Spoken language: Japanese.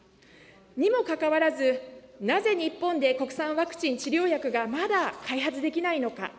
にもかかわらず、なぜ日本で国産ワクチン、治療薬がまだ開発できないのか。